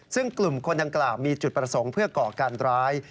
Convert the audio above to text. ซึ่งกลุ่มคนดังกล่าวมีจุดประสงค์เพื่อก่อการร้าย